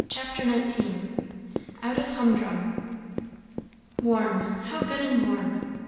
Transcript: CHAPTER XIX. OUT OF HUMDRUM. Warm, how good and warm!